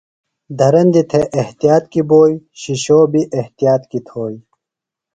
دھرندیۡ تھے احتیاط کیۡ بوئیۡ، شِشوۡ بیۡ احتیاط کیۡ تھوئیۡ